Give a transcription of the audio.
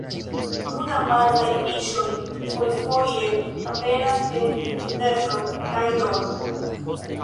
Nun apartaj fiŝoj fojfoje aperas en Dnepro kaj Dono.